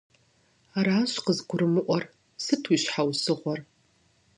Аращ къызгурымыӀуэр, сыт и щхьэусыгъуэр?